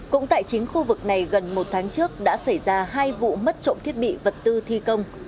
cũng tại chính khu vực này gần một tháng trước đã xảy ra hai vụ mất trộm thiết bị vật tư thi công